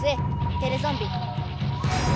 テレゾンビ。